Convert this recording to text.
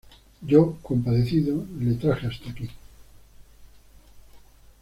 yo, compadecido, la traje hasta aquí.